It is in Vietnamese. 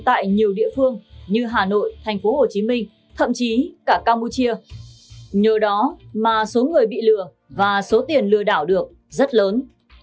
tại nhiều địa phương như hà nội thành phố hồ chí minh thậm chí cả campuchia nhờ đó mà số người bị lừa và số tiền lừa đảo được rất lớn